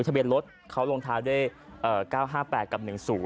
ทะเบียนรถเขาลงท้ายด้วย๙๕๘กับ๑๐